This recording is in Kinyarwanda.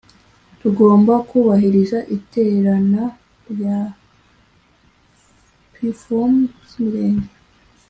tugomba kubahiriza iterana rya pfm z imirenge